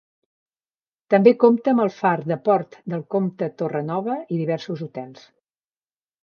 També compta amb el far de Port del Comte Torre Nova i diversos hotels.